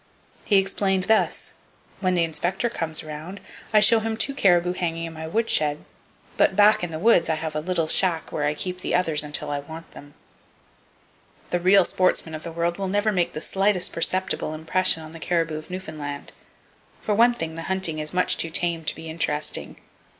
He explained thus: "When the inspector comes around, I show him two caribou hanging in my woodshed, but back in the woods I have a little shack where I keep the others until I want them." The real sportsmen of the world never will make the slightest perceptible impression on the caribou of Newfoundland. For one thing, the hunting is much too tame to be interesting.